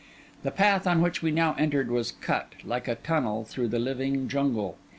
The path on which we now entered was cut, like a tunnel, through the living jungle.